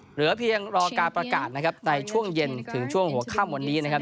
เหลือเพียงรอการประกาศนะครับในช่วงเย็นถึงช่วงหัวค่ำวันนี้นะครับ